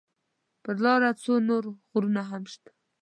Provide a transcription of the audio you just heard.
پر لاره څو نور غرونه هم شته.